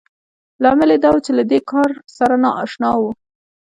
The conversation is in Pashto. لامل يې دا و چې له دې کار سره نااشنا وو.